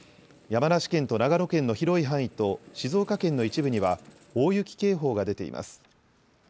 山梨県と長野県の広い範囲と静岡県の一部には大雪警報が出ています。